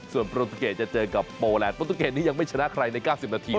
ส่วนโปรตูเกตจะเจอกับโปรแลนดโปรตุเกตนี้ยังไม่ชนะใครใน๙๐นาที